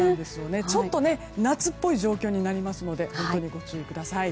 ちょっと夏っぽい状況になりますのでご注意ください。